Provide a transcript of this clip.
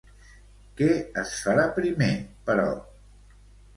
Què es farà primer, però?